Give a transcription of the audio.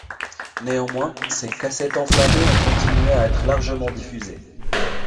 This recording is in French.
Néanmoins, ses cassettes enflammées ont continué à être largement diffusées.